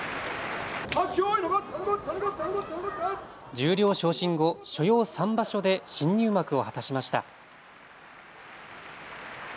十両昇進後、所要３場所で新入幕を果たしました。